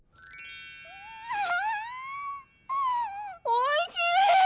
おいしい！